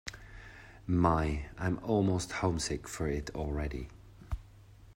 My, I'm almost homesick for it already.